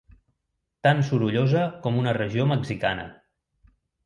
Tan sorollosa com una regió mexicana.